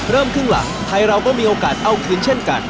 ครึ่งหลังไทยเราก็มีโอกาสเอาคืนเช่นกัน